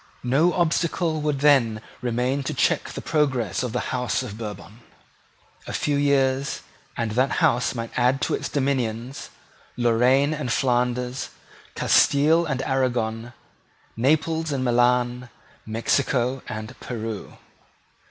No obstacle would then remain to check the progress of the House of Bourbon. A few years, and that House might add to its dominions Loraine and Flanders, Castile and Aragon, Naples and Milan, Mexico and Peru.